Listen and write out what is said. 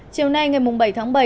chiều nay ngày bảy tháng bảy